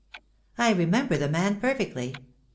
I remember the man perfectly.